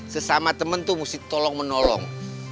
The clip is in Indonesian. sesama temen tuh mesti tolong menolong